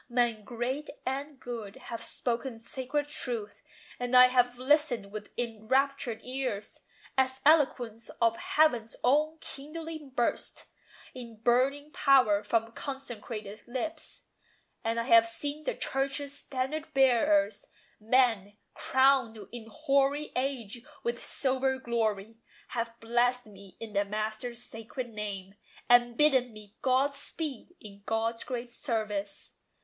Men great and good have spoken sacred truth; And I have listened with enraptured ears, As eloquence of Heaven's own kindling burst In burning power from consecrated lips. And I have seen the Church's standard bearers: Men, crowned in hoary age with silver glory, Have blessed me in the Master's sacred name, And bidden me God speed in God's great service.